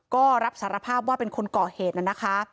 ก็รับสารภาพว่าเป็นคนก่อเหตุน่ะนะคะ